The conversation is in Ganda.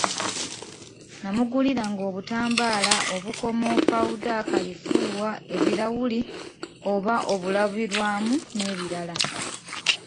Namuguliranga obutambaala, obukomo, ppawuda, kalifuuwa, ebirawuli oba obulabirwamu n'ebirala.